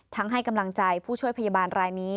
ให้กำลังใจผู้ช่วยพยาบาลรายนี้